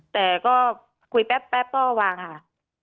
แต่ก็คุยแป๊บก็วางค่ะ